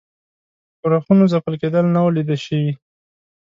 ښورښونو ځپل کېدل نه وه لیده شوي.